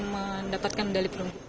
dan mendapatkan dalit perang